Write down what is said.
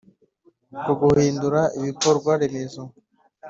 Nko guhindura ibikorwaremezo.